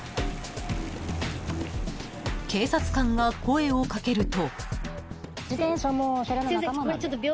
［警察官が声を掛けると］